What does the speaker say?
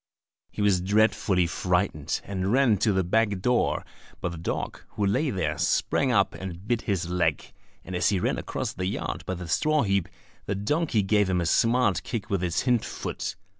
He was dreadfully frightened, and ran to the back door, but the dog, who lay there sprang up and bit his leg; and as he ran across the yard by the straw heap, the donkey gave him a smart kick with its hind foot.